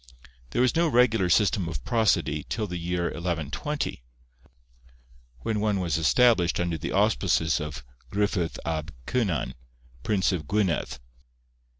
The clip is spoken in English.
There was no regular system of prosody till the year 1120, when one was established under the auspices of Grufydd ap Cynan, prince of Gwynedd.